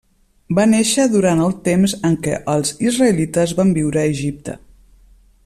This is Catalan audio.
Va néixer durant el temps en què els israelites van viure a Egipte.